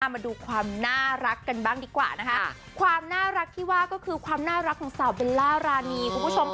มาดูความน่ารักกันบ้างดีกว่านะคะความน่ารักที่ว่าก็คือความน่ารักของสาวเบลล่ารานีคุณผู้ชมค่ะ